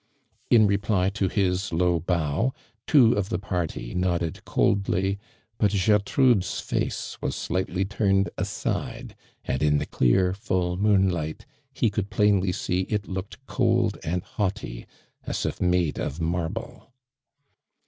In reply to his low bow, two of the party nodd ed coldly, but ffertrude's face was slightly turned aside, and in the clear, full moon light, he could plainly see it looked cold and haughty as if made of marble.